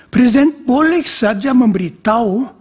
presiden boleh saja memberitahu